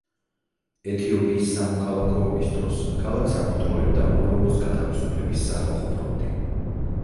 ეთიოპიის სამოქალაქო ომის დროს ქალაქს აკონტროლებდა ორომოს გათავისუფლების სახალხო ფრონტი.